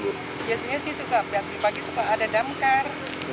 biasanya sih di pagi suka ada damkar